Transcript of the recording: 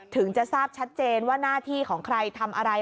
ถึงจะทราบชัดเจนว่าหน้าที่ของใครทำอะไร